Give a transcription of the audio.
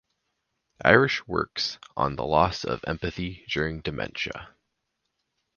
Irish works on the loss of empathy during dementia.